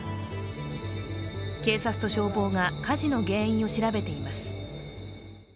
警察と消防が火事の原因を調べています。